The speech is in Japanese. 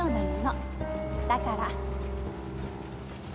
だから。